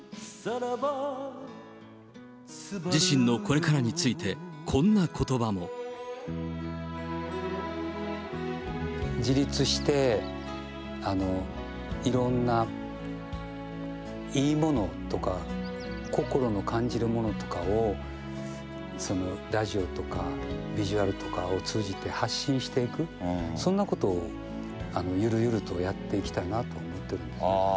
自身のこれからについて、こんなことばも。自立して、いろんないいものとか、心の感じるものとかを、ラジオとかビジュアルとかを通じて発信していく、そんなことをゆるゆるとやっていきたいなと思っているんですね。